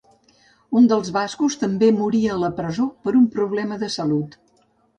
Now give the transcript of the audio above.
Un dels bascos també morí a la presó, per un problema de salut.